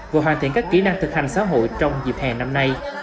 vừa hoàn thiện các kỹ năng thực hành xã hội trong dịp hè năm nay